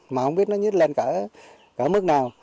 mà không biết nó nhít lên cỡ mức nào